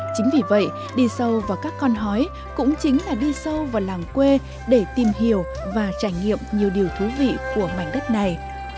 chính vì vậy đi sâu vào các con hói cũng chính là đi sâu vào làng quê để tìm hiểu và trải nghiệm nhiều điều thú vị của mảnh đất này